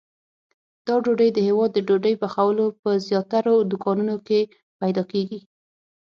دا ډوډۍ د هیواد د ډوډۍ پخولو په زیاترو دوکانونو کې پیدا کېږي.